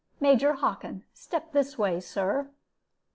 Major Hockin, step this way, Sir."